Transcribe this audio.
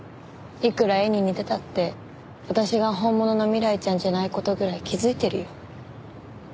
いくら絵に似てたって私が本物の未来ちゃんじゃない事ぐらい気づいてるよ。